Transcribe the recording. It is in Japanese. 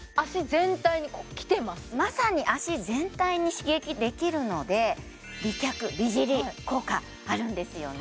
これまさに脚全体に刺激できるので美脚・美尻効果あるんですよね